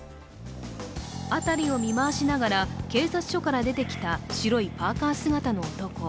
辺りを見回しながら警察署から出てきた白いパーカー姿の男。